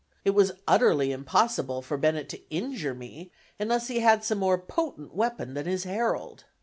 It was utterly impossible for Bennett to injure me, unless he had some more potent weapon than his Herald.